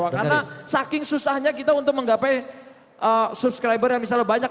karena saking susahnya kita untuk menggapai subscriber yang misalnya banyak